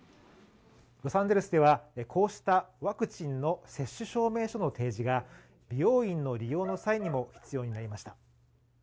ロサンゼルスではこうしたワクチンの接種証明書の提示が美容院の利用の際にも必要になりました。